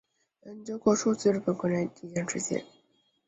研究过数次日本国内地震事件。